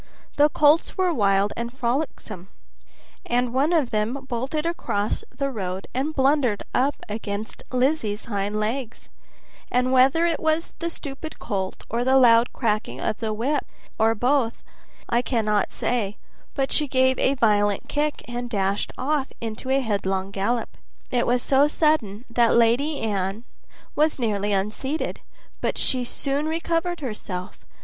The colts were wild and frolicsome, and one of them bolted across the road and blundered up against Lizzie's hind legs, and whether it was the stupid colt, or the loud cracking of the whip, or both together, I cannot say, but she gave a violent kick, and dashed off into a headlong gallop. It was so sudden that Lady Anne was nearly unseated, but she soon recovered herself.